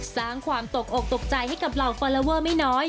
สร้างความตกอกตกใจให้กับเหล่าฟอลลอเวอร์ไม่น้อย